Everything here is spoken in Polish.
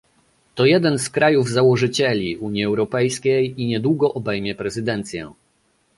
To jeden z krajów-założycieli Unii Europejskiej i niedługo obejmie prezydencję